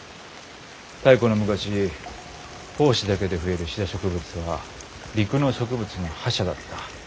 太古の昔胞子だけで増えるシダ植物は陸の植物の覇者だった。